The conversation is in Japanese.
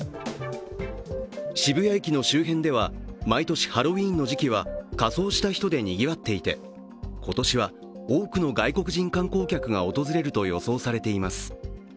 渋谷駅の周辺では毎年、ハロウィーンの時期は仮装した人でにぎわっていて、今年は多くの外国人観光客が訪れると予想されています。